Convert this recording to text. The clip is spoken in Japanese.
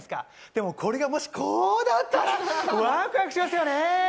でもこれがもしこうだったらワクワクしますよね。